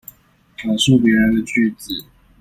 轉述別人的句子